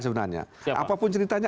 sebenarnya apapun ceritanya